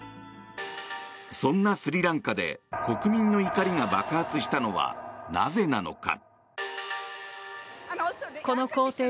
そんなスリランカで国民の怒りが爆発したのはなぜなのか。